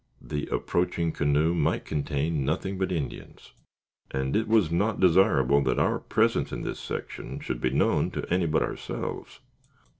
The approaching canoe might contain nothing but Indians, and it was not desirable that our presence in this section should be known to any but ourselves.